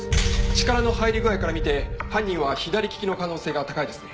力の入り具合から見て犯人は左利きの可能性が高いですね。